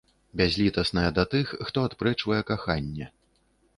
Бязлітасная да тых, хто адпрэчвае каханне.